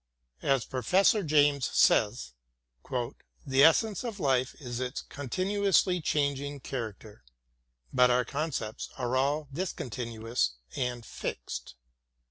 As Professor James says: '' The essence of life is its continuously changing character ; but our concepts are all discontinuous and fixed.